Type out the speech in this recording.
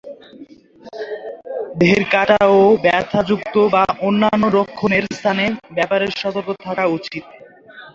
দেহের কাটা ও ব্যথা-যুক্ত বা অন্যান্য রক্তক্ষরণের স্থানের ব্যাপারে সবার সতর্ক থাকা উচিত।